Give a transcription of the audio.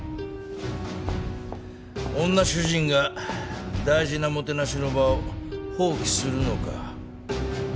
女主人が大事なもてなしの場を放棄するのか？